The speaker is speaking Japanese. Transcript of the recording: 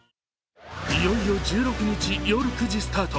いよいよ１６日夜９時スタート